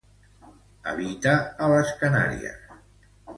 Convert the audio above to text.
Habita a les Canàries.